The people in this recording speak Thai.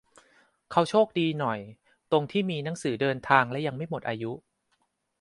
เขา "โชคดี" หน่อยตรงที่มีหนังสือเดินทางและยังไม่หมดอายุ